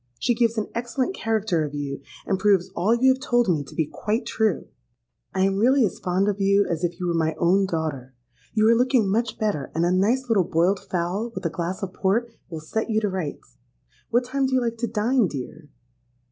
She gives an excellent character of you, and proves all you have told me to be quite true. I am really as fond of you as if you were my own daughter. You are looking much better; and a nice little boiled fowl, with a glass of Port, will set you to rights. What time do you like to dine, dear?'